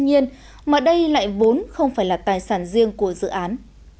tuy nhiên mà đây lại vốn không phải là tài sản riêng của dự án